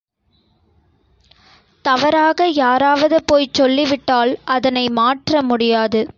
தவறாக யாராவது போய்ச் சொல்லிவிட்டால் அதனை மாற்ற முடியாது.